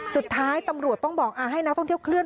สมัติตำรวจต้องบอกให้นักท่องเที่ยวคุย